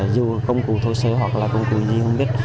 dù công cụ thô sơ hoặc là công cụ gì không biết